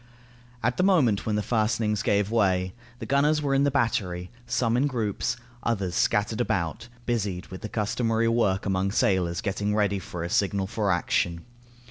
At the moment when the fastenings gave way, the gunners were in the battery, some in groups, others scattered about, busied with the customary work among sailors getting ready for a signal for action.